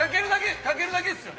かけるだけっすよね？